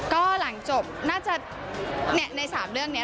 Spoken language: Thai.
ก็หลังจบน่าจะใน๓เรื่องนี้